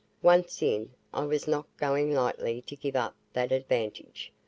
Once in, I was not going lightly to give up that advantage.